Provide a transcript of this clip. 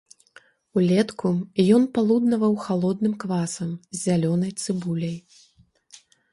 Улетку ён палуднаваў халодным квасам з зялёнай цыбуляй.